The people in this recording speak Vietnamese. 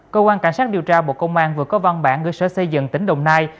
cơ quan cảnh sát điều tra bộ công an vừa có văn bản gửi sở xây dựng tỉnh đồng nai